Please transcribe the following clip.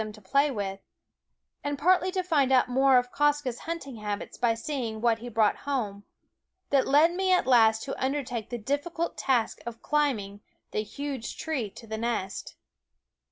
A them to play with, and partly to find out ^JKeen Eyed more of Quoskh's hunting habits by seeing what he brought home, that led me at last to undertake the difficult task of climbing the huge tree to the nest.